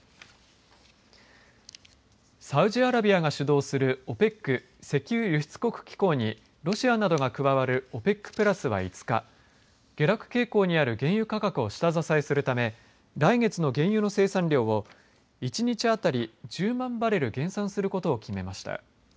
サウジアラビアが主導するＯＰＥＣ、石油輸出国機構にロシアなどが加わるＯＰＥＣプラスは５日下落傾向にある原油価格を下支えするため来月の原油の生産量を１日当たり１０万バレル減産することを決めました。